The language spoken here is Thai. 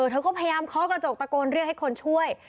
เธอก็พยายามเคาะกระจกตะโกนเรียกให้คนช่วย